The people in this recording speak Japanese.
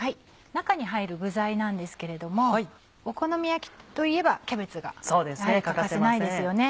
中に入る具材なんですけれどもお好み焼きといえばキャベツがやはり欠かせないですよね。